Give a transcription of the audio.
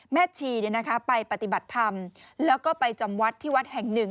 ชีไปปฏิบัติธรรมแล้วก็ไปจำวัดที่วัดแห่งหนึ่ง